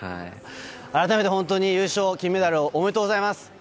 改めて本当に優勝、金メダルおめでとうございます。